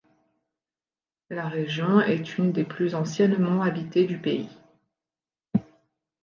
La région est une des plus anciennement habitée du pays.